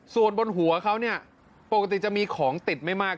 ส่วนบนหัวเขาเนี่ยปกติจะมีของติดไม่มาก